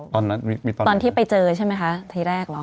ตอนที่ไปเจอใช่ไหมคะทีแรกเหรอ